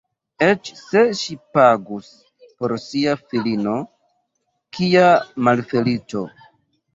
Eĉ se ŝi pagus por sia filino, kia malfeliĉo!